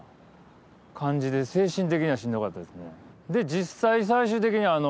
実際最終的には。